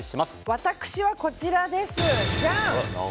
私は、こちらです。じゃん！